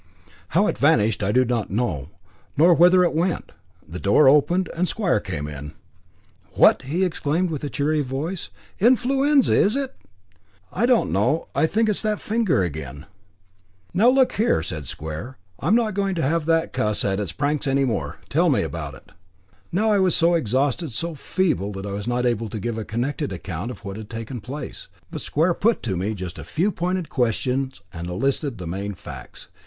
How it vanished I do not know, nor whither it went. The door opened, and Square came in. "What!" he exclaimed with cheery voice; "influenza is it?" "I don't know I think it's that finger again." IV "Now, look here," said Square, "I'm not going to have that cuss at its pranks any more. Tell me all about it." I was now so exhausted, so feeble, that I was not able to give a connected account of what had taken place, but Square put to me just a few pointed questions and elicited the main facts.